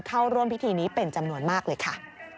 เข้าร่วมพิธีนี้เป็นจำนวนมากเลยค่ะ